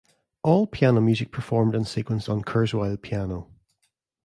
All piano music performed and sequenced on Kurzweil piano.